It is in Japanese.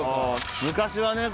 昔はね